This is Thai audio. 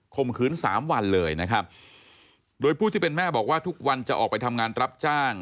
มขืนสามวันเลยนะครับโดยผู้ที่เป็นแม่บอกว่าทุกวันจะออกไปทำงานรับจ้าง